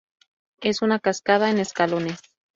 Es una cascada en escalones.